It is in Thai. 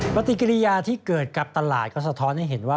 ปฏิกิริยาที่เกิดกับตลาดก็สะท้อนให้เห็นว่า